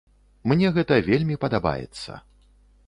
Мне гэта вельмі падабаецца.